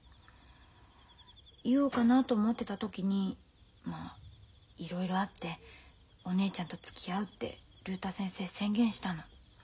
言おうかなと思ってた時にまいろいろあってお姉ちゃんとつきあうって竜太先生宣言したの。